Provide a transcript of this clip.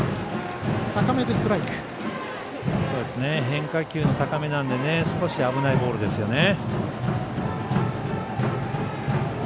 変化球の高めなんで少し危ないボールですよね。